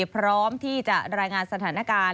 พร้อมที่จะรายงานสถานการณ์